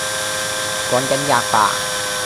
「趕緊喫罷！」